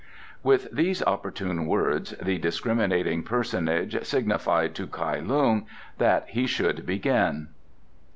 With these opportune words the discriminating personage signified to Kai Lung that he should begin.